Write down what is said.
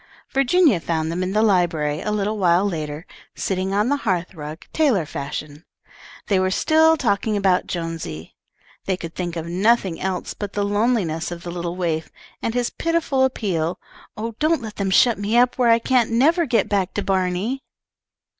Virginia found them in the library, a little while later, sitting on the hearth rug, tailor fashion. They were still talking about Jonesy. They could think of nothing else but the loneliness of the little waif, and his pitiful appeal: "Oh, don't let them shut me up where I can't never get back to Barney."